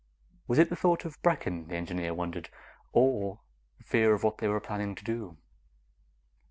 Was it the thought of Brecken, the engineer wondered, or fear of what they were planning to do?